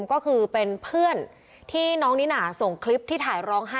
ก็คือเป็นเพื่อนที่น้องนิน่าส่งคลิปที่ถ่ายร้องไห้